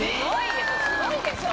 すごいでしょ。